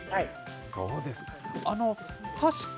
そうですか。